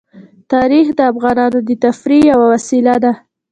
تاریخ د افغانانو د تفریح یوه وسیله ده.